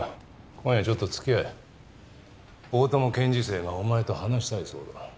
今夜ちょっとつきあえ大友検事正がお前と話したいそうだ